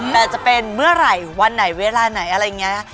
แต่จะเป็นเมื่อไหร่วันไหนเวลาไหนอะไรอย่างนี้